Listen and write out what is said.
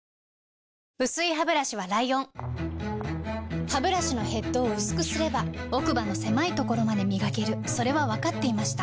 薄いハブラシはライオンハブラシのヘッドを薄くすれば奥歯の狭いところまで磨けるそれは分かっていました